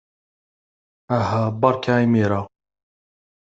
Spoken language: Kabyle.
Aha, beṛka imir-a.